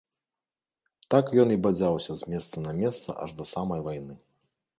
Так ён і бадзяўся з месца на месца аж да самай вайны.